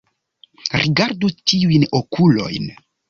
Rigardu tiujn okulojn